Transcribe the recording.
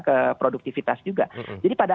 ke produktivitas juga jadi pada